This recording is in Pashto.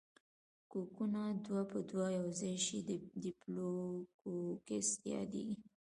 کوکونه دوه په دوه یوځای شي ډیپلو کوکس یادیږي.